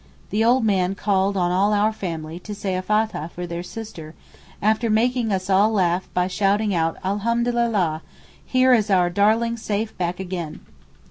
The old man called on all 'our family' to say a fathah for their sister, after making us all laugh by shouting out 'Alhamdulillah! here is our darling safe back again.